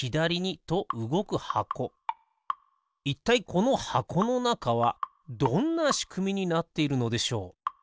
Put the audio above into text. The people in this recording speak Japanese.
いったいこのはこのなかはどんなしくみになっているのでしょう？